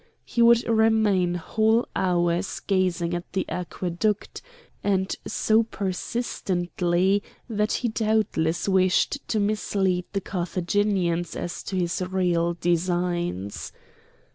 He would remain whole hours gazing at the aqueduct, and so persistently that he doubtless wished to mislead the Carthaginians as to his real designs.